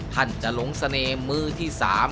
ท่านจะหลงเสน่ห์มือที่๓